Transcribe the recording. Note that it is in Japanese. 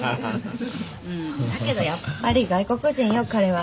だけどやっぱり外国人よ彼は。